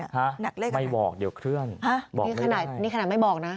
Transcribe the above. หนักเลขอะไรฮะนี่ขนาดไม่บอกนะไม่บอกเดี๋ยวเคลื่อนบอกไม่ได้